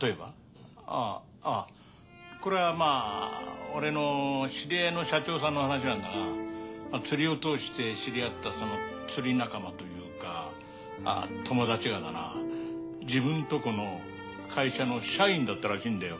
ああこれはまあ俺の知り合いの社長さんの話なんだが釣りを通して知り合ったその釣り仲間というか友達がだな自分とこの会社の社員だったらしいんだよ。